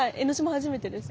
初めてですか？